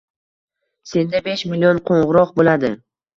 Senda besh million qo‘ng‘iroq bo‘ladi